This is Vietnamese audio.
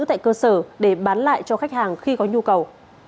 tại cơ sở để bán lại cho khách hàng khi có nhu cầu